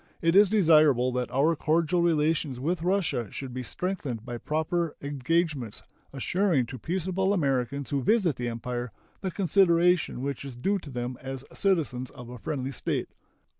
It is desirable that our cordial relations with Russia should be strengthened by proper engagements assuring to peaceable Americans who visit the Empire the consideration which is due to them as citizens of a friendly state.